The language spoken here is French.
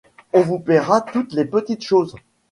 On vous payera toutes les petites choses.